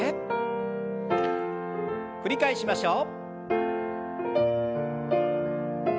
繰り返しましょう。